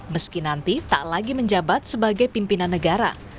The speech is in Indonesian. meski nanti tak lagi menjabat sebagai pimpinan negara